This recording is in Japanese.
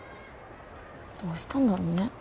どうしたんだろうね。